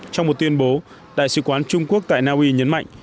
trong một tuyên bố đại sứ quán trung quốc tại na uy nhấn mạnh